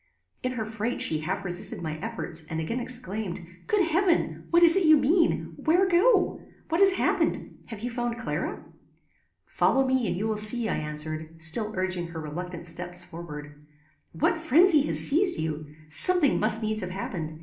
"In her fright she half resisted my efforts, and again exclaimed, 'Good heaven! what is it you mean? Where go? What has happened? Have you found Clara?" "Follow me, and you will see," I answered, still urging her reluctant steps forward. "What phrenzy has seized you? Something must needs have happened.